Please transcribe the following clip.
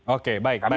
oke baik baik